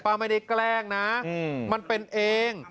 ไม่ได้แกล้งนะมันเป็นเอง